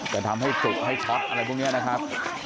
แต่จะทำให้ปรุปให้ช๊าติอะไรพวกนี้นะครับ